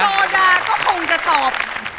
โซดาก็คงจะตอบ